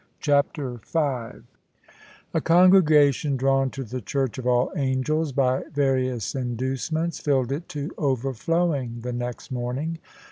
CHAPTER V A congregation drawn to the Church of All Angels, by various inducements, filled it to overflowing the next morning.